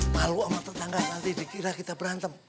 malu sama tetangga nanti dikira kita berantem